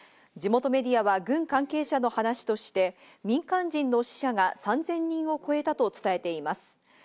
地元メディアは軍関係者の話として民間人の死者が３０００人を超えたと伝えています。